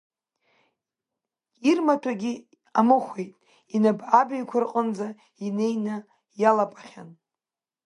Ирмаҭәагьы амыхәеит, инапы абаҩқәа рҿынӡа инеины иалапахьан.